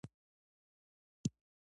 متلونه او پندونه